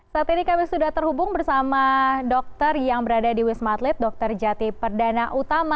saat ini kami sudah terhubung bersama dokter yang berada di wisma atlet dr jati perdana utama